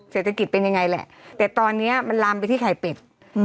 เศรษฐกิจเป็นยังไงแหละแต่ตอนนี้มันลามไปที่ไข่เป็ด